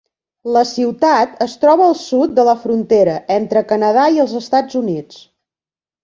La ciutat es troba al sud de la frontera entre Canadà i els Estats Units.